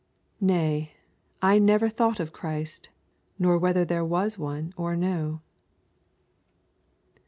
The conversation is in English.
Nay, I never thought of Christ, nor whether there was one or no.'